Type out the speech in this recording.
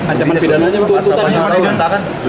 ancaman pidananya berapa